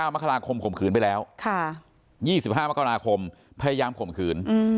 มกราคมข่มขืนไปแล้ว๒๕มกราคมพยายามข่มขืน